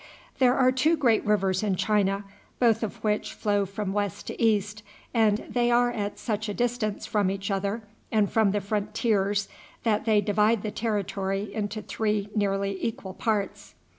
There are two great rivers in China, both of which flow from west to east, and they are at such a distance from each other and from the frontiers that they divide the territory into three nearly equal parts.